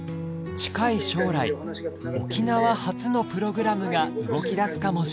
近い将来沖縄発のプログラムが動き出すかもしれません。